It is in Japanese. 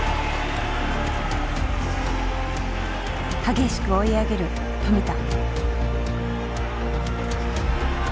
激しく追い上げる富田。